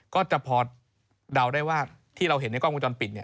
ก็จะพอเดาได้ว่าที่เราเห็นในกล้องวงจรปิด